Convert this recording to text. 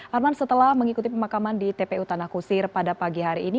arman setelah mengikuti pemakaman di tpu tanah kusir pada pagi hari ini